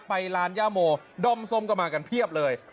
ไปลานยาโมดอมสมกับมากันเพียบเลย